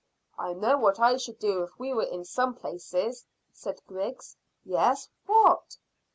"I know what I should do if we were in some places," said Griggs. "Yes! What?"